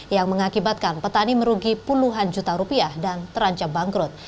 yang mengakibatkan petani merugi puluhan juta rupiah dan terancam bangkrut